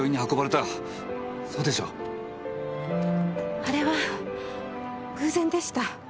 あれは偶然でした。